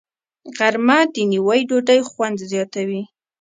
غرمه د نیوي ډوډۍ خوند زیاتوي